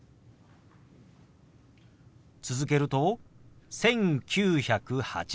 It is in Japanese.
続けると「１９８０」。